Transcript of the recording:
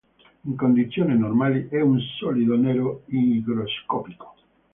In condizioni normali è un solido nero igroscopico.